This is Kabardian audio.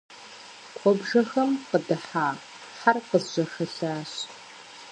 Куэбжэхэм къыдэжа хьэр къызжьэхэлъащ.